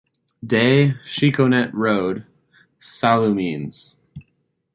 De Chiconet Road, Sallaumines.